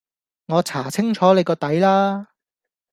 我查清楚你個底啦